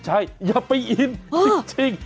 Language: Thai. ใช่อย่าไปอินจริง